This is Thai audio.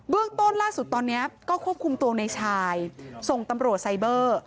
ต้นล่าสุดตอนนี้ก็ควบคุมตัวในชายส่งตำรวจไซเบอร์